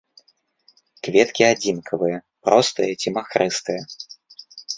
Кветкі адзінкавыя простыя ці махрыстыя.